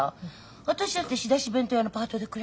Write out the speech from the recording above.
私だって仕出し弁当屋のパートで暮らしてるもん。